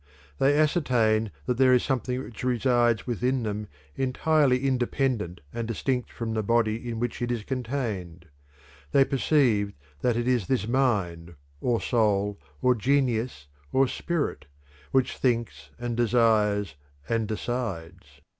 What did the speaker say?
They ascertain that there is something which resides within them entirely independent and distinct from the body in which it is contained. They perceive that it is this mind, or soul, or genius, or spirit, which thinks and desires and decides.